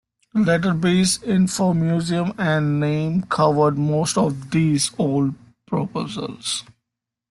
Later biz, info, museum, and name covered most of these old proposals.